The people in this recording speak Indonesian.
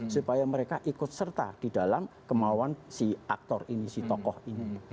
supaya mereka ikut serta di dalam kemauan si aktor ini si tokoh ini